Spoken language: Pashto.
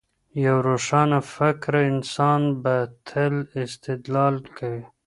یو روښانه فکره انسان به تل استدلال کوي.